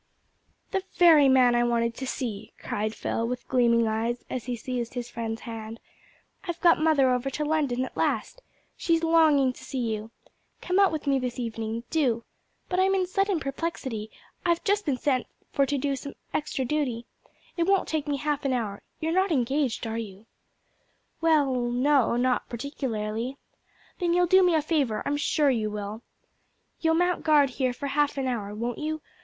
"The very man I wanted to see!" cried Phil, with gleaming eyes, as he seized his friend's hand. "I've got mother over to London at last. She's longing to see you. Come out with me this evening do. But I'm in sudden perplexity: I've just been sent for to do some extra duty. It won't take me half an hour. You're not engaged, are you?" "Well, no not particularly." "Then you'll do me a favour, I'm sure you will. You'll mount guard here for half an hour, won't you?